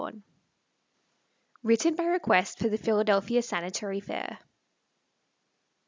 (*)* Written by request for the Philadelphia Sanitary Fair.